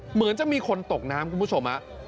เหมือนจะมีคนตกน้ำคุณผู้ชม